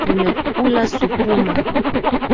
Nimekula sukuma.